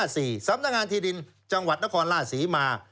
สำนักงานที่ดินจังหวัดนครราชศรีมา